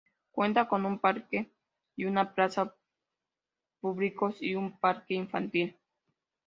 Cuenta con un parque y una plaza públicos,y un parque infantil.